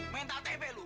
mental tp lu